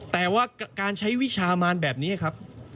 แต่ว่าการใช้วิชามานแบบนี้ครับ